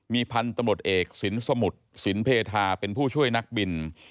มีพันธุ์ตำรวจเอกสินสมุทรสินเพทาเป็นผู้ช่วยนักบิน